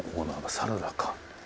サラダか。